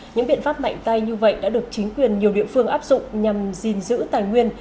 những biện pháp mạnh tay như vậy đã được chính quyền nhiều địa phương áp dụng nhằm gìn giữ tài nguyên